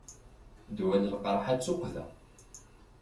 Ddwa n lqerḥ-a d tuqqda.